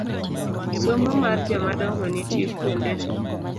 Somo mar jomadongo nitie kuonde te